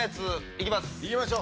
いきましょう。